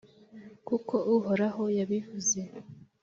kuko Uhoraho yabivuze.